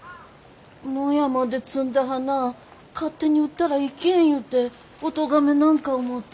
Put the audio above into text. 野山で摘んだ花勝手に売ったらいけん言うておとがめなんか思うて。